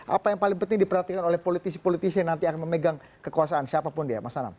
apa yang paling penting diperhatikan oleh politisi politisi yang nanti akan memegang kekuasaan siapapun dia mas anam